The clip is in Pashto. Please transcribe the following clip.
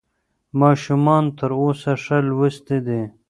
ماشومان تر اوسه ښه لوستي دي.